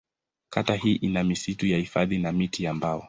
Kata hii ina misitu ya hifadhi na miti ya mbao.